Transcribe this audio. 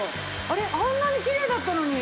あれあんなにきれいだったのに。